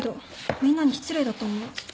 みんなに失礼だと思う。